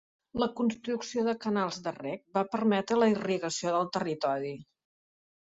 La construcció de canals de reg va permetre la irrigació del territori.